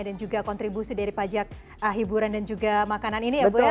dan juga kontribusi dari pajak hiburan dan juga makanan ini ya bu ya